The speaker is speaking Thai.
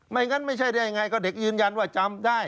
งั้นไม่ใช่ได้ยังไงก็เด็กยืนยันว่าจำได้